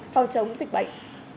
phòng chống dịch bệnh